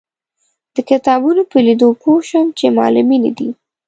د کتابونو په لیدو پوی شوم چې معلمینې دي.